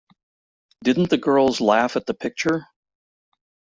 Didn't the girls laugh at the picture?